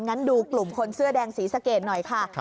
งั้นดูกลุ่มคนเสื้อแดงศรีสะเกดหน่อยค่ะ